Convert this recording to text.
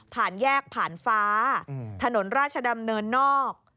ผ่านแยกผ่านฟ้าถนนราชดำเนินนอก